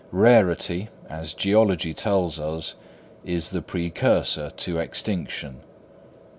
Rarity, as geology tells us, is the precursor to extinction.